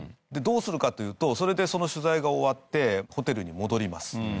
どうするかというとそれでその取材が終わってホテルに戻ります。